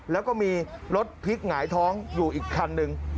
แล้วก็มีรถพลิกหงายท้องอยู่อีกคันหนึ่ง